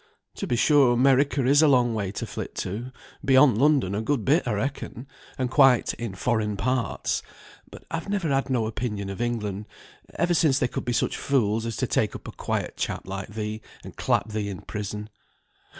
"To be sure 'Merica is a long way to flit to; beyond London a good bit I reckon; and quite in foreign parts; but I've never had no opinion of England, ever since they could be such fools as take up a quiet chap like thee, and clap thee in prison.